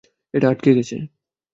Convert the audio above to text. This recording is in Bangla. এটা আটকে গেছে!